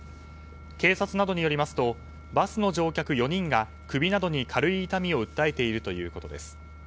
警察などによりますとバスの乗客４人が首などに軽い痛みを訴えているということです。